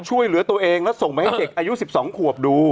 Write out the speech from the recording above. ช่วยเหลือตัวเองแล้วส่งไปให้เด็กอายุ๑๒ขวบดู